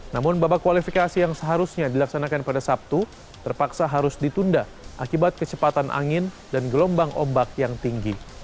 namun babak kualifikasi yang seharusnya dilaksanakan pada sabtu terpaksa harus ditunda akibat kecepatan angin dan gelombang ombak yang tinggi